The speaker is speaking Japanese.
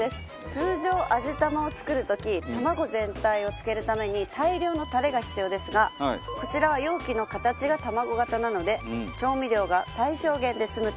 通常味玉を作る時卵全体を漬けるために大量のタレが必要ですがこちらは容器の形が卵形なので調味料が最小限で済むと人気なんです。